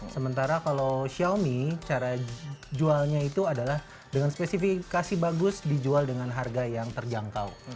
sementara kalau xiaomi cara jualnya itu adalah dengan spesifikasi bagus dijual dengan harga yang terjangkau